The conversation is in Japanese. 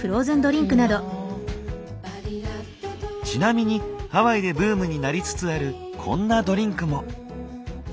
ちなみにハワイでブームになりつつあるこんなドリンクも。